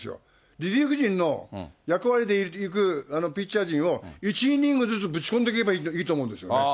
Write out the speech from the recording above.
リリーフ陣の役割でいくピッチャー陣を、１イニングずつぶち込んでいけばいいと思うんですよね。